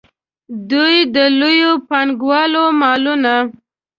دوی د لویو پانګوالو مالونه.